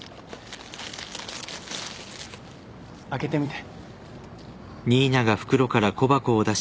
開けてみて。